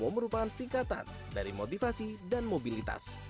merupakan singkatan dari motivasi dan mobilitas